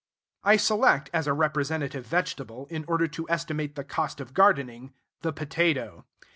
I select as a representative vegetable, in order to estimate the cost of gardening, the potato.